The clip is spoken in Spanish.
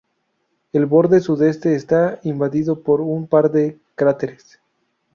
El borde sudeste está invadido por un par de cráteres.